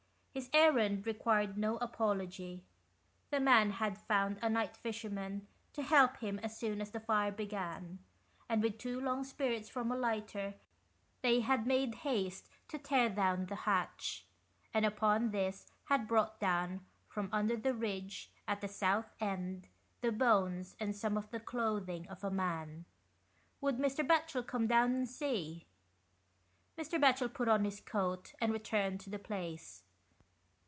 His errand required no apology. The man had found a night fisherman to help him as soon as the fire 68 THE EIOHPINS. began, and with two long sprits from a lighter they had made haste to tear down the thatch, and upon this had brought down, from under the ridge at the South end, the bones and some of the clothing of a man. Would Mr. Batchel come down and see ? Mr. Batchel put on his coat and returned to the place.